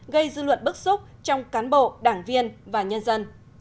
gây dư luận bức xúc trong cán bộ đảng viên và nhân dân